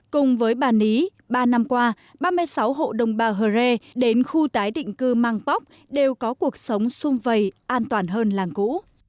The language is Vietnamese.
cùng với bà ý ba năm qua ba mươi sáu hộ đồng bào hờ rê đến khu tái định cư mang póc đều có cuộc sống xung vầy an toàn hơn làng cũ